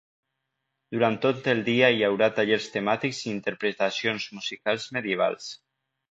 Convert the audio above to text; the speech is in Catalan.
Durant tot el dia hi haurà tallers temàtics i interpretacions musicals medievals.